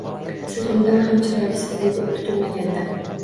Siz undan ham chiroylisiz, dedi u kutilmaganda